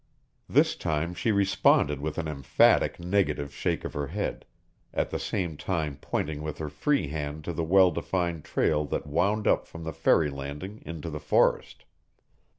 This time she responded with an emphatic negative shake of her head, at the same time pointing with her free hand to the well defined trail that wound up from the ferry landing into the forest.